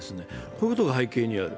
こういうことが背景にある。